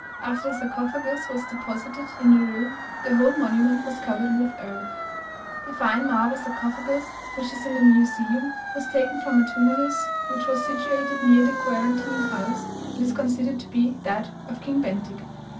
After the sarcophagus was deposited in the room, the whole monument was covered with earth. The fine marble sarcophagus which is in the Museum, was taken from a tumulus which was situated near the quarantine house, and is considered to be that of King Bentik.